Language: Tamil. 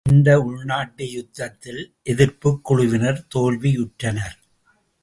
இந்த உள்நாட்டுயுத்தத்தில் எதிர்ப்புக்குழுவினர் தோல்வியுற்றனர்.